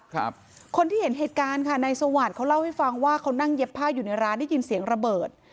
คนที่เห็นเหตุการณ์ค่ะนายสวาสตร์เขาเล่าให้ฟังว่าเขานั่งเย็บผ้าอยู่ในร้านได้ยินเสียงระเบิด